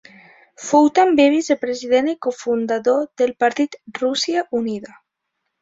Fou també vicepresident i cofundador del partit Rússia Unida.